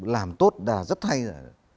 làm tốt là rất hay rồi